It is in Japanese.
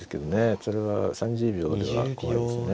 それは３０秒では怖いですね。